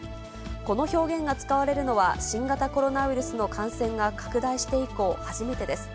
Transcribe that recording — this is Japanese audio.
この表現が使われるのは、新型コロナウイルスの感染が拡大して以降初めてです。